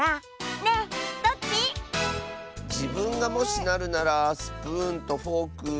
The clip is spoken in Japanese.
じぶんがもしなるならスプーンとフォーク。